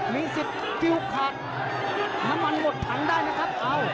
มีสิทธิ์ฟิลขาดน้ำมันหมดถังได้นะครับ